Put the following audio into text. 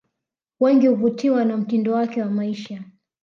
Wengi uvutiwa na mtindo wake wa maisha